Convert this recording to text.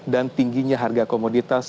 dan tingginya harga komoditas